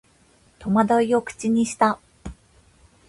戸惑いを口にした